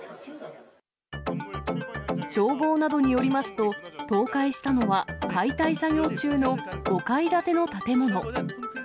消防などによりますと、倒壊したのは解体作業中の５階建ての建物。